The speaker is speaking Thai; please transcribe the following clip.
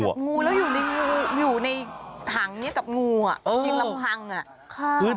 จับงูแล้วอยู่ในถังนี้กับงูยิงลำพัง